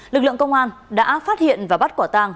lực lượng công an đã phát hiện và bắt quả tàng